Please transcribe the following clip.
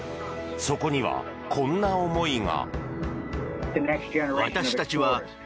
そこにはこんな思いが。